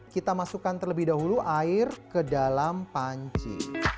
kita masukkan terlebih dahulu air ke dalam panci